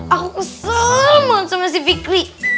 aku kesel mohon sama si fikri